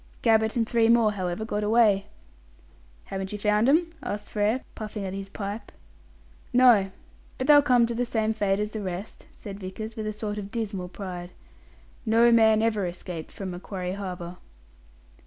Gabbett and three more, however, got away." "Haven't you found 'em?" asked Frere, puffing at his pipe. "No. But they'll come to the same fate as the rest," said Vickers, with a sort of dismal pride. "No man ever escaped from Macquarie Harbour."